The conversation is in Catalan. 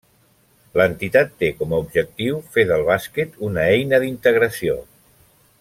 L'entitat té com a objectiu fer del bàsquet una eina d'integració.